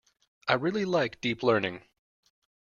I really like Deep Learning.